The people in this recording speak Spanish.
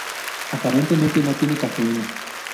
Aparentemente no tiene cafeína.